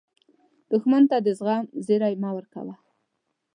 دښمن ته د زغم زیری مه ورکوه